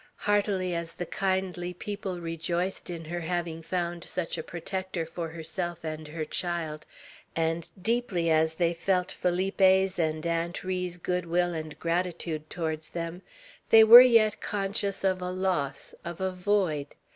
Heartily as the kindly people rejoiced in her having found such a protector for herself and her child, and deeply as they felt Felipe's and Aunt Ri's good will and gratitude towards them, they were yet conscious of a loss, of a void.